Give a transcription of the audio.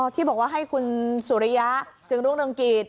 อ๋อที่บอกว่าให้คุณสุริยะจึงลูกลงกีศ